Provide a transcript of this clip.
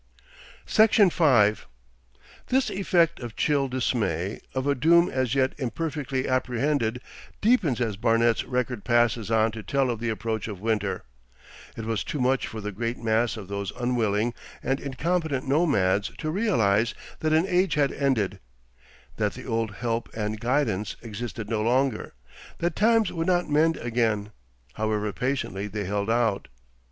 Section 4 This effect of chill dismay, of a doom as yet imperfectly apprehended deepens as Barnet's record passes on to tell of the approach of winter. It was too much for the great mass of those unwilling and incompetent nomads to realise that an age had ended, that the old help and guidance existed no longer, that times would not mend again, however patiently they held out.